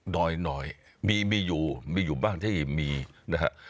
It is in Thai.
หน่อยมีมีอยู่มีอยู่บ้างที่มีนะฮะ